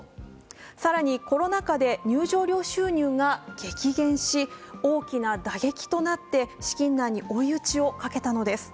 更に、コロナ禍で入場料収入が激減し、大きな打撃となって資金難に追い打ちをかけたのです。